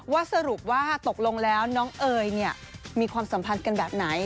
สรุปว่าตกลงแล้วน้องเอ๋ยมีความสัมพันธ์กันแบบไหน